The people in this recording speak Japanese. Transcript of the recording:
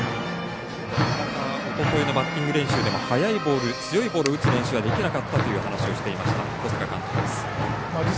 おとといのバッティング練習でも速いボール強いボールを打つ練習はできなかったと話をしていました小坂監督です。